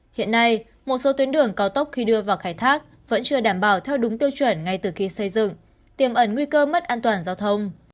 hiện nay một số tuyến đường cao tốc khi đưa vào khai thác vẫn chưa đảm bảo theo đúng tiêu chuẩn ngay từ khi xây dựng tiềm ẩn nguy cơ mất an toàn giao thông